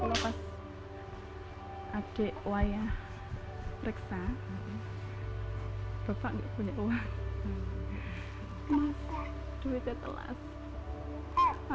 adik wayah reksa